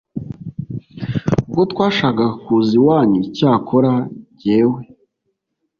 kuko twashakaga kuza iwanyu icyakora jyewe